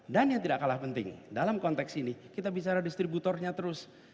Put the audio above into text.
dan yang tidak kalah penting dalam konteks ini kita bicara distributornya terus